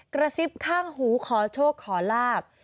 กระซิบข้างหูขอโชคขอลาบ